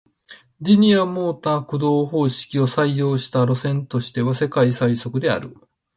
リニアモーター駆動方式を採用した路線としては世界最速である